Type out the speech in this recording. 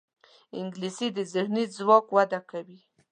انګلیسي د ذهني ځواک وده کوي